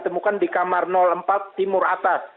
temukan di kamar empat timur atas